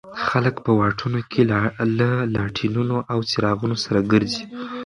خلک په واټونو کې له لاټېنونو او څراغونو سره ګرځي.